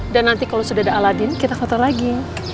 dan nanti kalau sudah ada aladin kita foto lagi